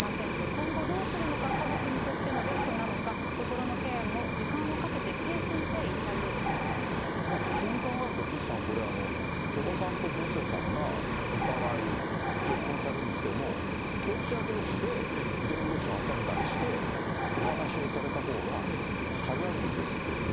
今後どうするのか、家族にとってのベストなのか、心のケアも、時間をかけて誠心誠意対応したいと普通に考えると、岸さん、これ、鳥羽さんと広末さんが、お互い、結婚されるにしても、当事者どうしで弁護士を挟んだりして、お話をされた方が、早いんですけどね。